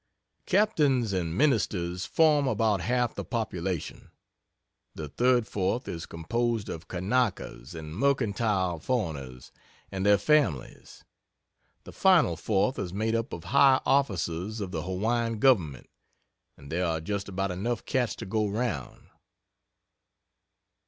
"Captains and ministers form about half the population. The third fourth is composed of Kanakas and mercantile foreigners and their families. The final fourth is made up of high officers of the Hawaiian government, and there are just about enough cats to go round."